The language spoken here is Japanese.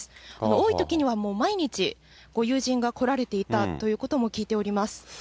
多いときにはもう毎日、ご友人が来られていたということも聞いております。